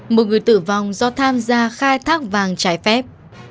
một người tử vong do tham gia khai thác vàng trái phép